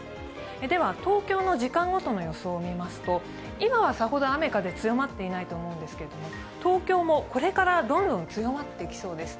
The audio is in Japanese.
では東京の時間ごとの予想を見ますと、今はさほど雨・風強まっていないと思うんですけど東京もこれからどんどん強まってきそうです。